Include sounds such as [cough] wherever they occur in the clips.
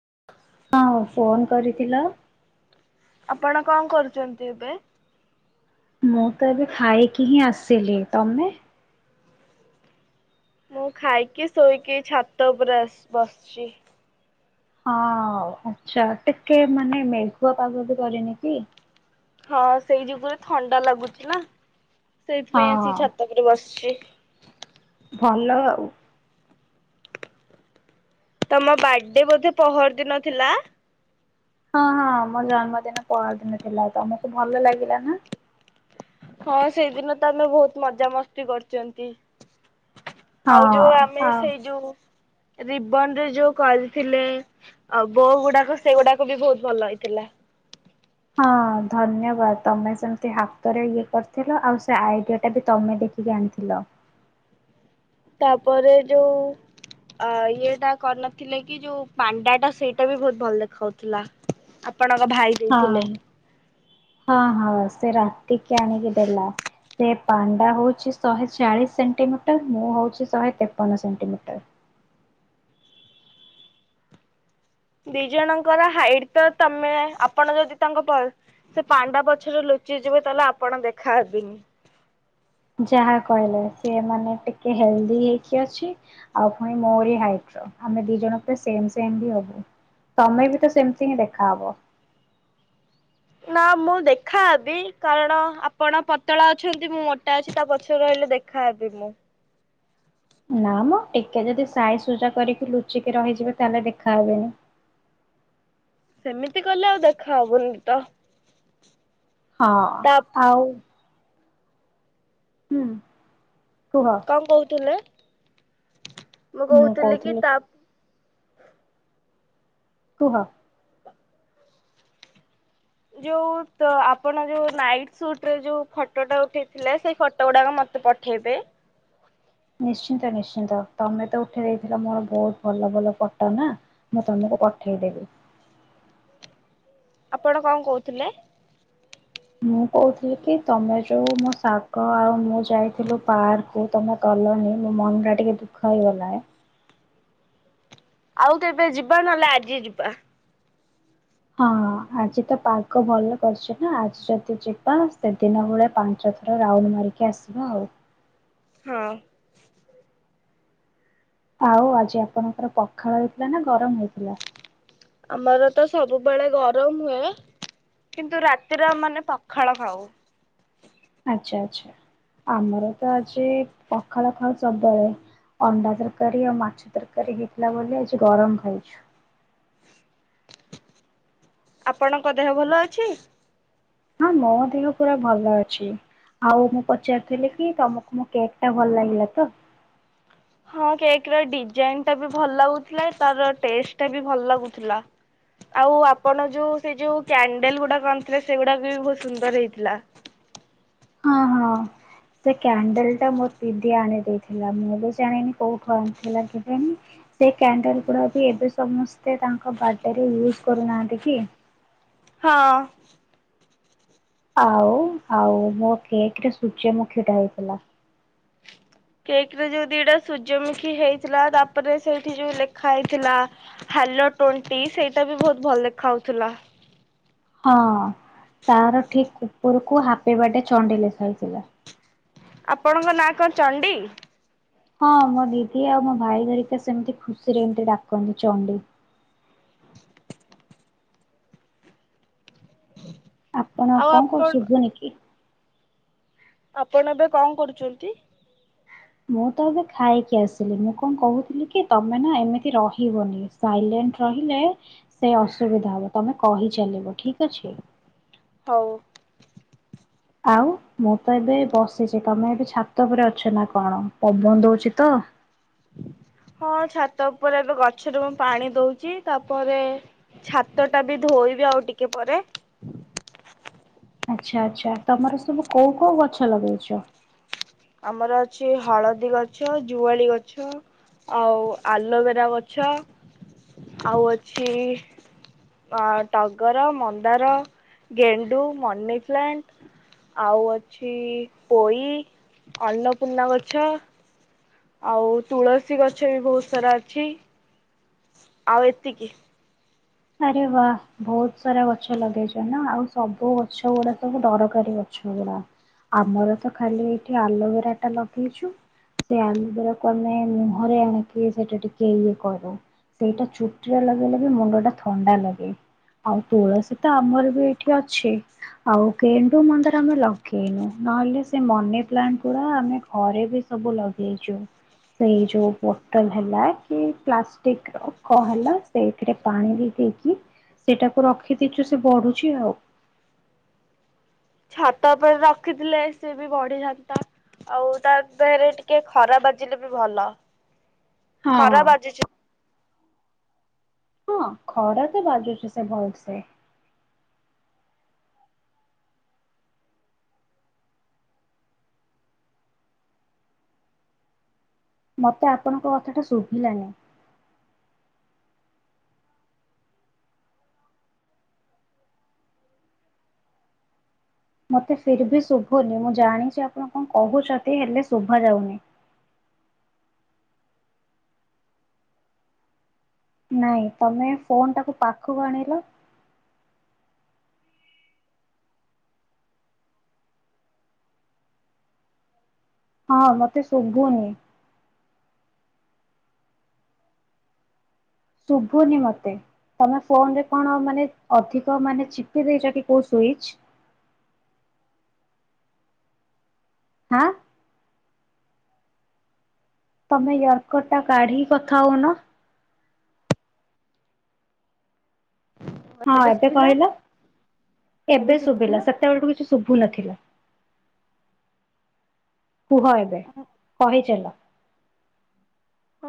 [inaudible] ହଁ ଫୋନ କରିଥିଲ? ଆପଣ କଣ କରୁଛନ୍ତି ଏବେ। ମୁଁ ତ ଏବେ ଖାଇଏ କି ହିଁ ଆସିଥିଲି ତମେ ମୁଁ ଖାଇକି ଶୋଇକି ଛାତ ଉପରେ ଆ ବସିଛି ହଁ ଆଛା ଟିକେ ମାନେ ମେଘୁଆ ପାଗ ବି କରିନି କି ହଁ ସେଇ ଯୁଗରୁ ଥଣ୍ଡା ଲାଗୁଛି ନା ସେଇଥିପାଇଁ ହଁ ଆସିକ ଛାତ ଉପରେ ବସିଛି। ଭଲ ଆଉ ତମ ବାର୍ଥଡେ ବୋଧେ ପହରଦିନଥିଲା। ହଁ ହଁ ମୋ ଜନ୍ମଦିନ ପହରଦିନ ଥିଲା ତମକୁ ଭଲ ଲାଗିଲା ନା। ହଁ ସେଇଦିନ ତ ଆମେ ବହୁତ ମଜା ମସ୍ତି କରୁଛନ୍ତି। ହଁ ଆଉ ଯୋଉ ଆମେ ହଁ। ସେଇ ଯୋଉ ରିବନ ରେ ଯୋଉ କରିଥିଲେ ବୋ ଗୁଡାକ ସେଗୁଡାକ ବି ବହୁତ ଭଲ ହେଇଥିଲା। ହଁ ଧନ୍ୟବାଦ ତମେ ସେମତି ହାତରେ ଇଏ କରିଥିଲ ଆଉ ସେ ଆଇଡିଆ ଟା ବି ତମେ ଦେଖିକି ଆଣିଥିଲ। ତାପରେ ଯୋଉ ଇଏଟା କରିନଥିଲେ କି ଯୋଉ ପାଣ୍ଡା ଟା ସେଇଟା ବି ବହୁତ ଭଲ ଦେଖାଉଥିଲା। ଆପଣଙ୍କ ଭାଇ ହଁ ଦେଇଥିଲେ। ହଁ ହଁ ସେ ରାତିକି ଆଣିକି ଦେଲା ସେ ପାଣ୍ଡା ହଉଛି ଶହେ ଚାଳିଶ ସେଣ୍ଟିମିଟର ମୁଁ ହଉଛି ଶହେ ତେପନ ସେଣ୍ଟିମିଟର। ଦି ଜଣଙ୍କର ହାଇଟ ତ ତମେ ଆପଣ ଯଦି ତାଙ୍କ ସେ ପାଣ୍ଡା ପଛରେ ଲୁଚି ଯିବେ ତାହେଲେ ଆପଣ ଦେଖାହେବେନି। ଯାହା କହିଲେ ସେ ମାନେ ଟିକେ ହେଲଦି ହେଇକି ଅଛି ଆଉ ପୁଣି ମୋରି ହାଇଟର ଆମେ ଦି ଜଣ ପୁରା ସେମ୍ ସେମ୍ ବି ହବୁ। ତମେ ବି ତ ସେମତି ହିଁ ଦେଖା ହବ। ନା ମୁଁ ଦେଖାହେବି କାରଣ ଆପଣ ପତଳା ଅଛନ୍ତି ମୁଁ ମୋଟା ଅଛି ତା ପଛ ରହିଲେ ଦେଖାହବି ମୁଁ। ନା ମ ଟିକେ ଯଦି ସାଇଜ ସୁଜା କରିକି ଲୁଚିକି ରହିଯିବେ ତାହେଲେ ଦେଖାହେବନି। ସେମିତି କଲେ ଆଉ ଦେଖା ହବନି ତ ହଁ ତା ଆଉ ହୁଁ କୁହ କଣ କହୁଥିଲେ? ମୁଁ କହୁଥିଲି କି ତାପ କୁହ। ଯୋଉ ଆପଣ ଯୋଉ ନାଇଟସୁଟରେ ଯୋଉ ଫଟୋଟା ଉଠେଇଥିଲେ ସେଇ ଫଟୋ ଗୁଡାକ ମତେ ପଠେଇବେ। ନିଶ୍ଚିନ୍ତ ନିଶ୍ଚିନ୍ତ ତମେ ତ ଉଠେଇ ଦେଇଥିଲ ମୋର ବହୁତ ଭଲ ଭଲ ଫଟୋ ନା ମୁଁ ତମକୁ ପଠେଇଦେବି। ଆପଣ କଣ କହୁଥିଲେ? ମୁଁ କହୁଥିଲି କି ତମେ ଯୋଉ ମୋ ଶାଙ୍ଗ ଆଉ ମୁଁ ଯାଇଥିଲୁ ପାର୍କକୁ ତମେ ଗଲନି ମୋ ମନ ଟା ଟିକେ ଦୁଃଖ ହେଇଗଲା। ଆଉ କେବେ ଯିବା ନହେଲେ ଆଜି ଯିବା। ହଁ ଆଜି ତ ପାଗ ଭଲ କରିଛି ନା, ଆଜି ଯଦି ଯିବା ସେଦିନ ଭଳିଆ ପାଞ୍ଚ ଥର ରାଉଣ୍ଡ ମାରିକି ଆସିବା ଆଉ। ହଁ ଆଉ ଆଜି ଆପଣଙ୍କର ପଖାଳ ହେଇଥିଲା ନା ଗରମ ହେଇଥିଲା? ଆମର ତ ସବୁବେଳେ ଗରମ ହୁଏ। କିନ୍ତୁ ରାତିରେ ଆମ ମାନେ ପଖାଳ ଖାଉ। ଆଚ୍ଛା ଆଚ୍ଛା ଆମର ତ ଆଜି ପଖାଳଖାଉ ସବୁବେଳେ ଅଣ୍ଡା ତରକାରୀ ଆଉ ମାଛ ତରକାରୀ ହେଇଥିଲା ବୋଲି ଆଜି ଗରମ ଖାଇଛୁ। ଆପଣଙ୍କ ଦେହ ଭଲ ଅଛି? ହଁ ମୋ ଦେହ ପୁରା ଭଲ ଅଛି। ଆଉ ମୁଁ ପଚାରୁିଥିଲି କି ତମକୁ ମୋ କେକ୍ ଟା ଭଲ ଲାଗିଲା ତ? ହଁ କେକ୍ ର ଡିଜାଇନ ଟା ବି ଭଲ ଲାଗୁଥିଲା। ତାର ଟେଷ୍ଟଟାବି ଭଲ ଲାଗୁଥିଲା ଆଉ ଆପଣ ଯୋଉ ସେ ଯୋଉ କ୍ୟାଣ୍ଡଲ ଗୁଡା ଆଣିଥିଲେ ସେଗୁଡା ବହୁତ ସୁନ୍ଦର ହେଇଥିଲା। ହଁ ହଁ ସେ କ୍ୟାଣ୍ଡେଲ ଟା ମୋର ଦିଦି ଆଣି ଦେଇେଇଥିଲା। ମୁଁ ବି ଜାଣିନି କୋଉଠୁ ଆଣିଥିଲା କେଜାଣି ସେ କ୍ୟାଣ୍ଡେଲ ଗୁଡା ବି ଏବେ ସମସ୍ତେ ତାଙ୍କ ବାର୍ଥଡେରେ ୟୁଜ କରୁନାହାନ୍ତି କି। ହଁ ଆଉ ଆଉ ମୋ କେକ୍ ରେ ସୂର୍ଯ୍ୟମୁଖୀଟା ହେଇଥିଲା। କେକ୍ ରେ ଯୋଉ ଦିଟା ସୂର୍ଯ୍ୟମୁଖୀ ହେଇଥିଲା ତାପରେ ସେଇଠି ଯୋଉ ଲେଖା ହେଇଥିଲା ହାଲୋ ଟୋଣ୍ଟି ସେଇଟା ବି ବହୁତ ଭଲ ଦେଖା ହଉଥିଲା। ହଁ ତାର ଠିକ ଉପରକୁ ହାପେବାଡେ ଚଣ୍ଡି ଲେଖା ହେଇଥିଲା। ଆପଣଙ୍କ ନାଁ କଣ ଚଣ୍ଡି? ହଁ ମୋ ଦିଦି ଆଉ ମୋ ଭାଇ ଘରିକା ସେମିତି ଖୁସିରେ ଏମିତି ଡାକନ୍ତି ଚଣ୍ଡି। ଆପଣ ଆଉ କଣ କ ଆପଣ ଶୁଭୁନି କି ଆପଣ ଏବେ କଣ କରୁଛନ୍ତି? ମୁଁ ତ ଏବେ ଖାଇକି ଆସିଲି। ମୁଁ କଣ କହୁଥିଲି କି ତମେ ନା ଏମିତି ରହିବନି ସାଇଲେଣ୍ଟ ରହିଲେ ସେ ଅସୁବିଧା ହବ ତମେ କହିଚାଲିବ ଠିକ ଅଛି। ହଉ। ଆଉ ମୁଁ ତ ଏବେ ବସିଛି ତମେ ଏବେ ଛାତ ଉପରେ ଅଛ ନା କଣ? ପବନ ଦଉଛି ତ ହଁ ଛାତ ଉପରେ ଏବେ ଗଛରେ ମୁଁ ପାଣି ଦଉଛି ତାପରେ ଛାତ ଟା ବି ଧୋଇବି ଆଉ ଟିକେ ପରେ। ଆଚ୍ଛା ଆଚ୍ଛା ତୋମର ସବୁ କୋଉ କୋଉ ଗଛ ଲଗେଇଚ? ଆମର ଅଛି ହଳଦୀ ଗଛ, ଜୁଆଳି ଗଛ ଆଉ ଆଲୋବେରା ଗଛ ଆଉ ଅଛି ଅ, ଟଗର, ମନ୍ଦାର, ଗେଣ୍ଡୁ, ମନିପ୍ଲାଣ୍ଟ ଆଉ ଅଛି ପୋଇ ଅନପୂର୍ଣ୍ଣା ଗଛ ଆଉ ତୁଳସୀ ଗଛ ବି ବହୁତ ସାରା ଅଛି। ଆଉ ଏତିକି। ଆରେ ବା ବହୁତ ସାରା ଗଛ ଲଗେଇଚ ନା, ଆଉ ସବୁ ଗଛ ଗୁଡା ସବୁ ଡରକାରୀ ଗଛ ଗୁଡା, ଆମର ତ ଖାଲି ଏଇଠି ଆଲୋବେରା ଟା ଲଗେଇଛୁ ସେ ଆଲୋବେରାକୁୁ ଆମେ ମୁହଁରେ ଆଣିକି ସେଟା ଟିକେ ଇଏ କରୁ, ସେଇଟା ଚୁଟିରେ ଲଗେଇଲେ ବି ମୁଣ୍ଡ ଟା ଥଣ୍ଡା ଲାଗେ ଆଉ ତୁଳସୀ ତ ଆମର ବି ଏଇଠି ଅଛି ଆଉ ଗେଣ୍ଡୁ, ମନ୍ଦାର ଆମେ ଲଗେଇନୁ, ନହେଲେ ସେ ମନି ପ୍ଲାଣ୍ଟ ଗୁଡା ଆମେ ଘରେ ବି ସବୁ ଲଗେଇଚୁ, ସେଇ ଯୋଉ ବୋଟଲ ହେଲା କି ପ୍ଲାଷ୍ଟିକ ର କ- ହେଲା ସେଇଥିରେ ପାଣି ବି ଦେଇକି ସେଟାକୁ ରଖିଦେଇଚୁ ସେ ବଢୁଛି ଆଉ। ଛାତ ଉପରେ ରଖିଥିଲେ ସେ ବି ବଢିଥାନ୍ତା, ଆଉ ତା ଦେହରେ ଟିକେ ଖରା ବାଜିଲେ ବି ଭଲ। ହଁ ଖରା ବାଜିଚି ହଁ ଖରା ତ ବାଜୁଚି ସେ ଭଲସେ। ମୋତେ ଆପଣଙ୍କ କଥାଟା ଶୁଭିଲାନି। ମୋତେ ଫେର ବି ଶୁଭୁନି ମୁଁ ଜାଣିଚି ଆପଣ କଣ କହୁଚନ୍ତି ହେଲେ ଶୁଭା ଯାଉନି। ନାଇଁ ତମେ ଫୋନ୍ ଟାକୁ ପାଖକୁ ଆଣିଲ। ହଁ ମୋତେ ଶୁଭୁନି। ଶୁଭୁନି ମୋତେ, ତୋମେ ଫୋନ୍ ରେ କଣ ମାନେ ଅଧିକ ମାନେ ଚିପି ଦେଇଚ କି କୋଉ ସୁଇଚ୍? ହାଁ। ତୋମେ ୟର୍କଟ ଟା କାଢିକି କଥା ହଉନ। ହଁ ଏବେ କହିଲ, ଏବେ ଶୁଭିଲା, ସେତେବେଳଠୁ କିଛି ଶୁଭୁ ନଥିଲା। କୁହ ଏବେ, କହି ଚାଲ।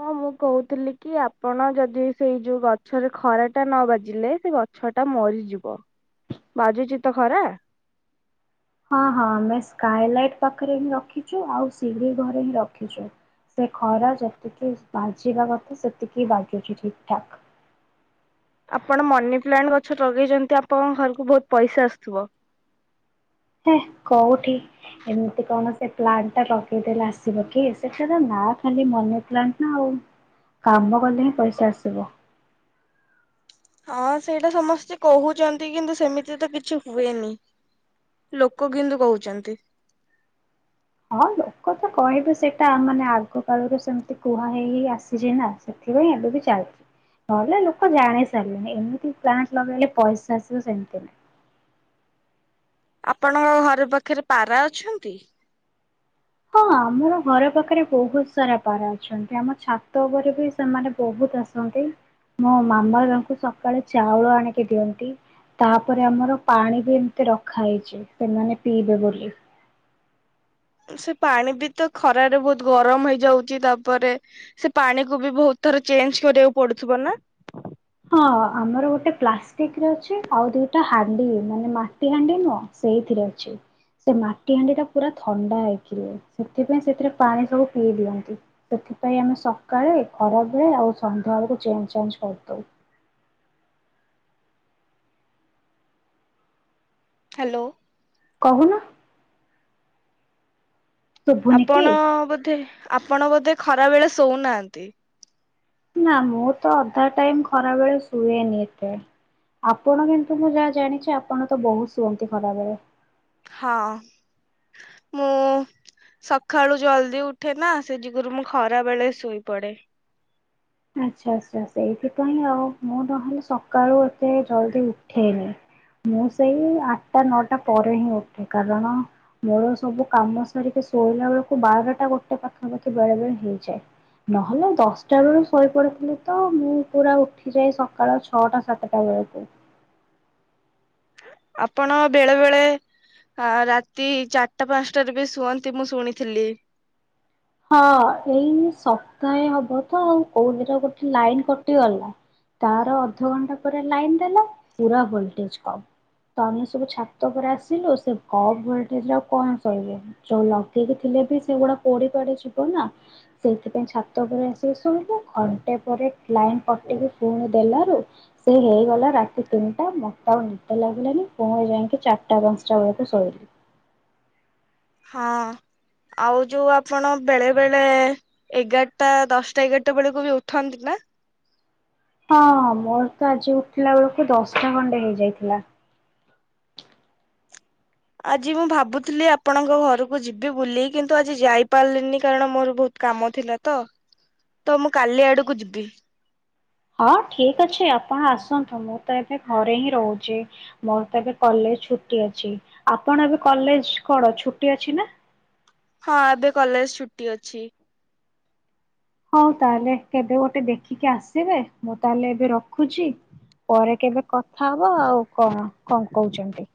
ହଁ ମୁଁ କହୁଥିଲି କି ଆପଣ ଯଦି ସେଇ ଯୋଉ ଗଛରେ ଖରାଟା ନ ବାଜିଲେ ସେ ଗଛ ଟା ମରିଯିବ, ବାଜୁଚି ତ ଖରା? ହଁ ହଁ ଆମେ ସ୍କାଇଲାଇଟ ପାଖରେ ହିଁ ରଖିଚୁ, ଆଉ ସିଡି ଘରେ ହିଁ ରଖିଛୁ, ସେ ଖରା ଯେତିକି ବାଜିବା କଥା ସେତିକି ବାଜୁଚି ଠିକ ଠାକ୍। ଆପଣ ମନି ପ୍ଲାଣ୍ଟ ଗଛ ଲଗେଇଚନ୍ତି ଆପଣଙ୍କ ଘରକୁ ବହୁତ ପଇସା ଆସୁଥୁବ। ହେ କୋଉଠି ଏମିତି କଣ ସେ ପ୍ଲାଣ୍ଟ ଟା ଲଗେଇଦଲେ ଆସିବ କି ସେଠାର ନାଁ ଖାଲି ମନି ପ୍ଲାଣ୍ଟ ନା ଆଉ, କାମ କଲେ ହିଁ ପଇସା ଆସିବ। ହଁ ସେଇଟା ସମସ୍ତେ କହୁଚନ୍ତି, କିନ୍ତୁ ସେମିତି ତ କିଛି ହୁଏନି, ଲୋକ କିନ୍ତୁ କହୁଚନ୍ତି। ହଁ ଲୋକ ତ କହିବେ ସେଟା ମାନେ ଆଗ କାଳରୁ ସେମିତି କୁହା ହେଇ ଆସିଛି, ନା ସେଥିପାଇଁ ଏବେ ବି ଚାଲିଚି ନହେଲେ ଲୋକ ଜାଣି ସାରିଲେଣିି ଏମିତି ପ୍ଲାଣ୍ଟସ୍ ଲଗେଇଲେ ପଇସା ଆସିବ ସେମିତି ନାହିଁ। ଆପଣଙ୍କ ଘର ପାଖରେ ପାରା ଅଛନ୍ତି? ହଁ ଆମର ଘର ପାଖରେ ବହୁତ ସାରା ପାରା ଅଛନ୍ତି, ଆମ ଛାତ ଉପରେ ବି ସେମାନେ ବହୁତ ଆସନ୍ତି, ମୋ ମାମା ବାଙ୍କୁ ସକାଳେ ଚାଉଳ ଆଣିକି ଦିଅନ୍ତି, ତାପରେ ଆମର ପାଣି ବି ଏମିତି ରଖା ହେଇଛି ସେମାନେ ପିଇବେ ବୋଲି। ସେ ପାଣି ବି ତ ଖରାରେ ବହୁତ ଗରମ ହେଇଯାଉଚି, ତାପରେ ସେ ପାଣି କୁ ବି ବହୁତ ଥର ଚେଞ୍ଜ୍ କରିବାକୁ ପଡୁଥୁବ ନା? ହଁ ଆମର ଗୋଟେ ପ୍ଲାଷ୍ଟିକ ରେ ଅଛି, ଆଉ ଦିଟା ହାଣ୍ଡି ମାନେ ମାଟି ହାଣ୍ଡି ନୁହଁ ସେଇଥିରେ ଅଛି, ସେ ମାଟି ହାଣ୍ଡି ଟା ପୁରା ଥଣ୍ଡା ହେଇକି ରୁହେ, ସେଥିପାଇଁ ସେଥିରେ ପାଣି ସବୁ ପିଇ ଦିଅନ୍ତି, ସେଥିପାଇଁ ଆମେ ସକାଳେ ଖରାବେଳେ ଆଉ ସନ୍ଧ୍ୟାବେଳକୁ ଚେଞ୍ଜ୍ ଚାଞ୍ଜ୍ କରିଦଉ। ହ୍ୟାଲୋ। କହୁନ। ଶୁଭୁନି କି? ଆପଣ ବୋଧେ ଆପଣ ବୋଧେ ଖରା ବେଳେ ଶୋଉନାହାଁନ୍ତି? ନା ମୁଁ ତ ଅଧା ଟାଇମ୍ ଖରା ବେଳେ ଶୁଏନି ଏତେ, ଆପଣ କିନ୍ତୁ ମୁଁ ଯାହା ଜାଣିଚି ଆପଣ ତ ବହୁତ ଶୁଅନ୍ତି ଖରାବେଳେ। ହଁ ମୁଁ ସଖାଳୁ ଜଲଦି ଉଠେ ନା, ସେଇ ଯୁଗୁରୁ ମୁଁ ଖରା ବେଳେ ଶୁଇପଡେ। ଆଚ୍ଛା ଆଚ୍ଛା ସେଇଥିପାଇଁ ଆଉ ମୁଁ ନହେଲେ ସକାଳୁ ଏତେ ଜଲଦି ଉଠେନି, ମୁଁ ସେଇ ଆଟା ନଅଟା ପରେ ହିଁ ଉଠେ କାରଣ ମୋର ସବୁ କାମ ସାରିକି ଶୋଇଲା ବେଳକୁ ବାରଟା ଗୋଟେ ପାଖାପାଖି ବେଳେ ବେଳେ ହେଇଯାଏ, ନହେଲେ ଦଶଟା ବେଳୁ ଶୋଇ ପଡୁଥିଲି ତ ମୁଁ ପୁରା ଉଠିଯାଏ ସକାଳ ଛଅଟା ସାତଟା ବେଳକୁ। ଆପଣ ବେଳେ ବେଳେ ଆ, ରାତି ଚାରଟା ପାନ୍ସଟାରେ ବି ଶୁଅନ୍ତି ମୁଁ ଶୁଣିଥିଲି। ହଁ ଏଇ ସପ୍ତାହେ ହବ ତ ଆଉ କୋଉଦିନ ଗୋଟେ ଲାଇନ୍ କଟିଗଲା, ତାର ଅଧଘଣ୍ଟା ପରେ ଲାଇନ୍ ଦେଲା ପୁରା ଭୋଲଟେଜ୍ କମ୍, ତ ଆମେ ସବୁ ଛାତ ଉପରେ ଆସିଲୁ ସେ କମ୍ ଭୋଲଟେଜ୍ ରେ ଆଉ କଣ ଶୋଇବୁ ଯୋଉ ଲଗେଇକି ଥିଲେ ବି ସେଗୁଡା ପୋଡି ପୋଡି ଯିବ ନା ସେଇଥିପାଇଁ ଛାତ ଉପ ଆସିକି ଶୋଇିଲୁ, ଘଣ୍ଟେ ପରେ ଲାଇନ୍ କଟକି ପୁଣି ଦେଲାରୁ ସେ ହେଇଗଲା ରାତି ତିନିଟା ମୋତେ ଆଉ ନିଦ ଲାଗିଲାନି, ପୁଣି ଯାଇକି ଚାଟା ପାନ୍ସଟା ବେଳକୁ ଶୋଇଲିି। ହଁ ଆଉ ଯୋଉ ଆପଣ ବେଳେ ବେଳେ ଏଗାରଟା ଦଶଟା ଏଗାରଟା ବେଳକୁ ବି ଉଠନ୍ତି ନା? ହଁ ମୋର ତ ଆଜି ଉଠିଲା ବେଳକୁ ଦଶଟା ଖଣ୍ଡେ ହେଇଯାଇଥିଲା। ଆଜି ମୁଁ ଭାବୁଥିଲି ଆପଣଙ୍କ ଘରକୁ ଯିବି ବୁଲି, କିନ୍ତୁ ଆଜି ଯାଇପାରିଲିନି କାରଣ ମୋର ବହୁତ କାମ ଥିଲା ତ, ତ ମୁଁ କାଲି ଆଡକୁ ଯିବି। ହଁ ଠିକ ଅଛି ଆପଣ ଆସନ୍ତୁ ମୁଁ ତ ଏବେ ଘରେ ହିଁ ରହୁଛି ମୋର ତ ଏବେ କଲେଜ ଛୁଟି ଅଛି ଆପଣ ଏବେ କଲେଜ କଣ ଛୁଟି ଅଛି ନା? ହଁ ଏବେ କଲେଜ ଛୁଟି ଅଛି। ହଉ ତାହେଲେ କେବେ ଗୋଟେ ଦେଖିକି ଆସିବେ ମୁଁ ତାହେଲେ ଏବେ ରଖୁଛି ପରେ କେବେ କଥା ହବ ଆଉ କଣ କଣ କହୁଛନ୍ତି?